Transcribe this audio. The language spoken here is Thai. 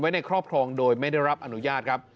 ในครอบครองโดยไม่ได้รับอนุญาตครับ